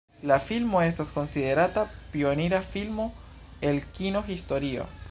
La filmo estas konsiderata pionira filmo el kino-historio.